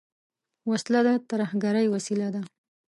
وسله د ترهګرۍ وسیله ده